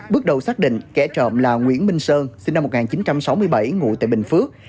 bước đầu xác định kẻ trộm là nguyễn minh sơn sinh năm một nghìn chín trăm sáu mươi bảy ngụ tại bình phước